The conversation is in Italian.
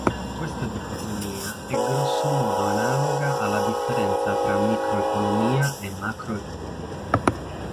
Questa dicotomia è grossomodo analoga alla differenza tra microeconomia e macroeconomia.